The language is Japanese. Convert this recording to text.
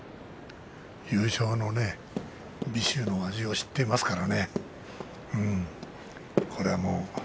優勝の美酒の味を知っていますからね。